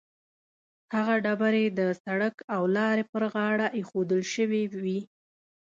هغه ډبرې د سړک او لارې پر غاړه ایښودل شوې وي.